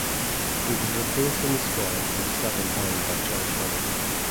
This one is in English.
He was replaced in the squad for the second game by Josh Hunt.